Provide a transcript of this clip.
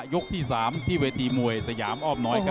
ยกที่๓ที่เวทีมวยสยามอ้อมน้อย